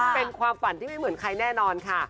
เป็นความฝันที่ไม่เหมือนใครแน่นอนค่ะ